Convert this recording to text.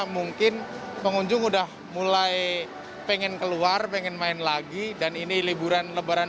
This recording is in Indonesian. mungkin pengunjung udah mulai pengen keluar pengen main lagi dan ini liburan lebaran